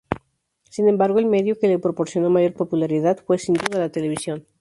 Sin embargo, el medio que le proporcionó mayor popularidad fue sin duda la televisión.